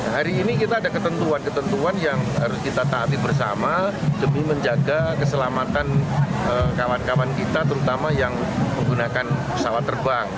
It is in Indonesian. hari ini kita ada ketentuan ketentuan yang harus kita taati bersama demi menjaga keselamatan kawan kawan kita terutama yang menggunakan pesawat terbang